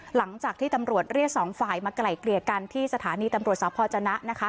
หลังจากที่ตำรวจเรียกสองฝ่ายมาไกล่เกลี่ยกันที่สถานีตำรวจสพจนะนะคะ